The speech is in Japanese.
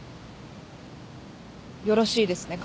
よろしいですね？